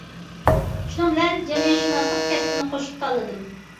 شۇنىڭ بىلەن، جەمئىيەتشۇناسلىق كەسپىنى قوشۇپ تاللىدىم.